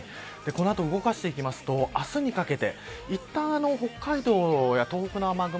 この後動かしていきますと明日にかけていったん北海道や東北の雨雲